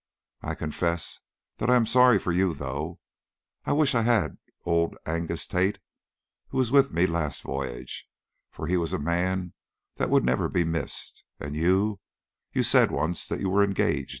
I confess that I am sorry for you, though. I wish I had old Angus Tait who was with me last voyage, for he was a man that would never be missed, and you you said once that you were engaged, did you not?"